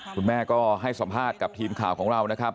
คุณแม่ก็ให้สัมภาษณ์กับทีมข่าวของเรานะครับ